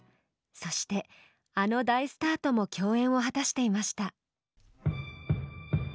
そしてあの大スターとも共演を果たしていました。